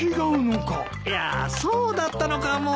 いやそうだったのかも。